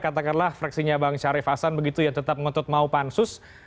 katakanlah fraksinya bang syarif hasan begitu ya tetap ngotot mau pansus